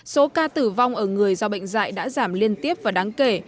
số ca tử vong ở người do bệnh dạy đã giảm liên tiếp và đáng kể